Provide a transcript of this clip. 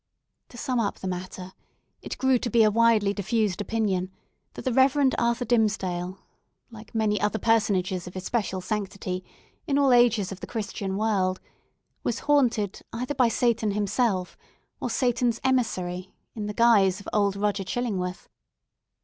To sum up the matter, it grew to be a widely diffused opinion that the Rev. Arthur Dimmesdale, like many other personages of special sanctity, in all ages of the Christian world, was haunted either by Satan himself or Satan's emissary, in the guise of old Roger Chillingworth.